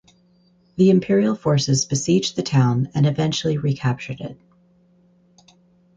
The imperial forces besieged the town and eventually recaptured it.